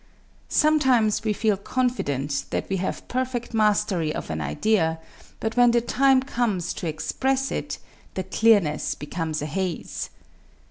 Sometimes we feel confident that we have perfect mastery of an idea, but when the time comes to express it, the clearness becomes a haze.